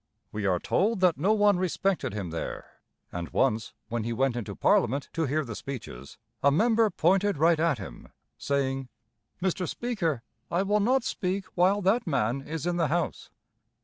We are told that no one respected him there, and once, when he went into Parliament to hear the speeches, a member pointed right at him, saying: "Mr. Speaker, I will not speak while that man is in the house."